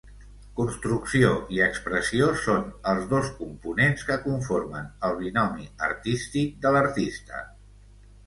Construcció i expressió són els dos components que conformen el binomi artístic de l'artista.